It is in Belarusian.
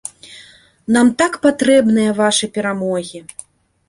Нам так патрэбныя вашы перамогі!